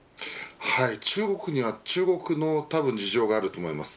中国には中国の事情があると思います。